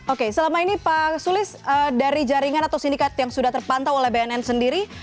oke selama ini pak sulis dari jaringan atau sindikat yang sudah terpantau oleh bnn sendiri